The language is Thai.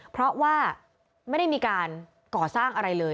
เพราะว่าไม่ได้มีการก่อสร้างอะไรเลย